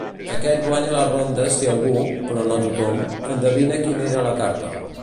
Aquest guanya la ronda si algú, però no tothom, endevina quina era la carta.